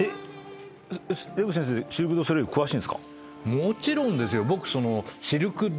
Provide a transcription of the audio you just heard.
もちろんですよ。